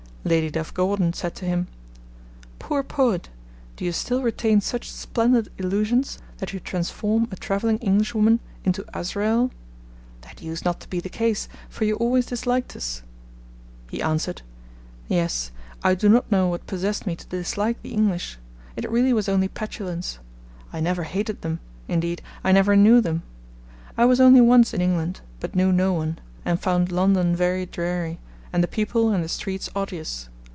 Lady Duff Gordon said to him: 'Poor Poet, do you still retain such splendid illusions, that you transform a travelling Englishwoman into Azrael? That used not to be the case, for you always disliked us.' He answered: 'Yes, I do not know what possessed me to dislike the English, ... it really was only petulance; I never hated them, indeed, I never knew them. I was only once in England, but knew no one, and found London very dreary, and the people and the streets odious.